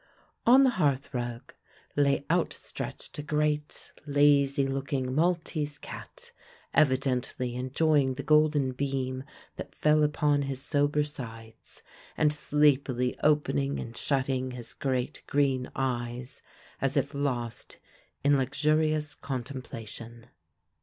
On the hearth rug lay outstretched a great, lazy looking, Maltese cat, evidently enjoying the golden beam that fell upon his sober sides, and sleepily opening and shutting his great green eyes, as if lost in luxurious contemplation.